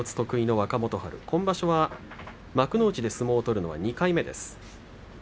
若元春が今場所、幕内で相撲を取るのは２回目です。